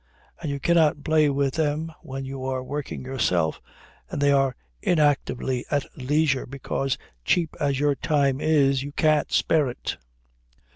And you cannot play with them when you are working yourself and they are inactively at leisure, because, cheap as your time is, you can't spare it.